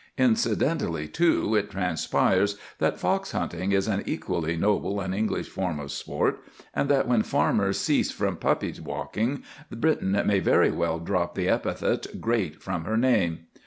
Incidentally, too, it transpires that fox hunting is an equally noble and English form of sport, and that when farmers cease from puppy walking, Britain may very well drop the epithet "Great" from her name.